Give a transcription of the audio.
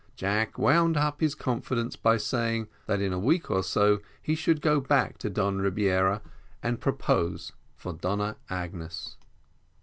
Jack wound up his confidence by saying that in a week or so he should go back to Don Rebiera and propose for Donna Agnes.